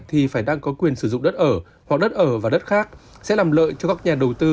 thì phải đang có quyền sử dụng đất ở hoặc đất ở và đất khác sẽ làm lợi cho các nhà đầu tư